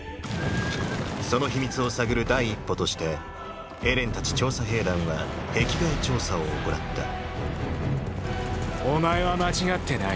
その秘密を探る第一歩としてエレンたち調査兵団は壁外調査を行ったお前は間違ってない。